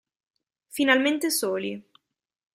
Finalmente soli